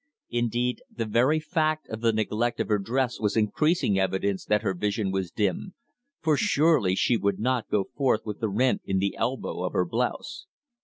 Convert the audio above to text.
Indeed, the very fact of the neglect of her dress was increasing evidence that her vision was dim, for surely she would not go forth with the rent in the elbow of her blouse.